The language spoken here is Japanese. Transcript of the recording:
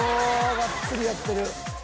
がっつりやってる。